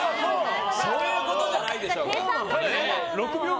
そういうことじゃないでしょうか。